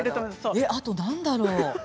あとは何だろう？